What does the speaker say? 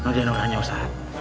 nah udah nongolannya ustadz